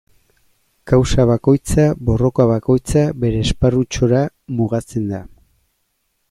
Kausa bakoitza, borroka bakoitza, bere esparrutxora mugatzen da.